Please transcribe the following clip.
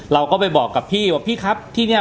เราก็ไปบอกกับพี่ว่าพี่ครับที่นี่